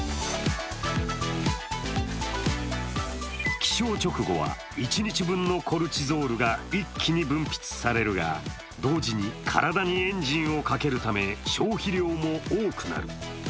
起床直後は一日分のコルチゾールが一気に分泌されるが同時に、体にエンジンをかけるため消費量も多くなる。